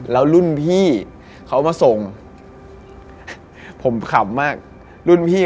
นอนได้ค่ะก็ไม่ได้